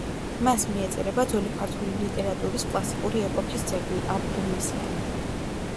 მას მიეწერება ძველი ქართული ლიტერატურის კლასიკური ეპოქის ძეგლი „აბდულმესიანი“.